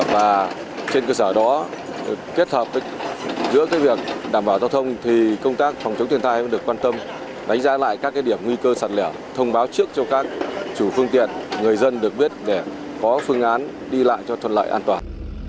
và trên cơ sở đó kết hợp giữa việc đảm bảo giao thông thì công tác phòng chống thiên tai cũng được quan tâm đánh giá lại các điểm nguy cơ sạt lở thông báo trước cho các chủ phương tiện người dân được biết để có phương án đi lại cho thuận lợi an toàn